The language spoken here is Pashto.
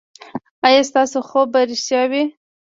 ایا ستاسو خوب به ریښتیا وي؟